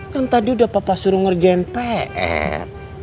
kan tadi udah papa suruh ngerjain pr